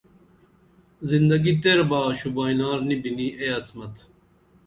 زندگی تیر با شوبائنار نی بنی اے عصمت